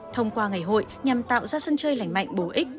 thông qua ngày hội nhằm tạo ra sân chơi lành mạnh bổ ích